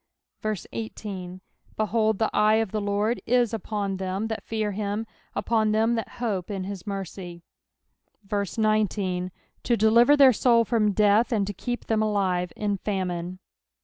18 Behold, the eye of the Lord is upon them that fear him, upon them that hope in his mercy ; 19 To deliver their soul from death, and to keep them alive in famine.